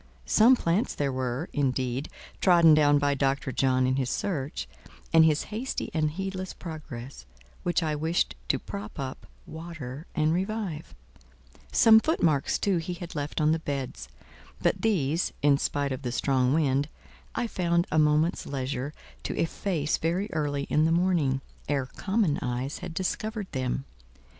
Some plants there were, indeed, trodden down by Dr. John in his search, and his hasty and heedless progress, which I wished to prop up, water, and revive; some footmarks, too, he had left on the beds: but these, in spite of the strong wind, I found a moment's leisure to efface very early in the morning, ere common eyes had discovered them.